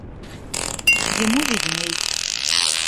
Ему видней.